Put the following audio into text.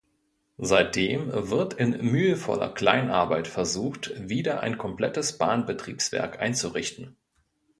Seitdem wird in mühevoller Kleinarbeit versucht, wieder ein komplettes Bahnbetriebswerk einzurichten.